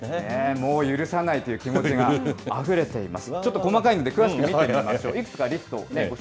もう許さないという気持ちがあふれています。